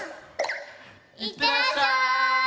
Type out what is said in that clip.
いってらっしゃい！